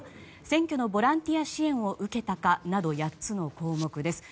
選挙のボランティア支援を受けたかなど８つの項目です。